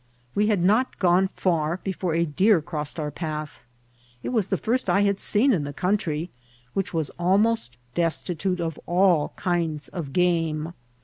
We had not gone frur before a deer crossed our path. It was the first I had seen in the country, which was almost destitute of all kinds of game.